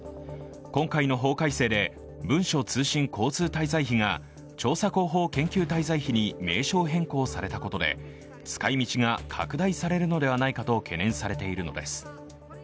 今回の法改正で、文書通信交通滞在費が調査広報研究滞在費に名称変更されたことで使い道が拡大されるのではないかと懸念されているのです。